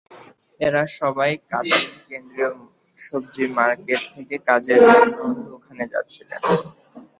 এঁরা সবাই কাতারের কেন্দ্রীয় সবজি মার্কেট থেকে কাজের জন্য দুখানে যাচ্ছিলেন।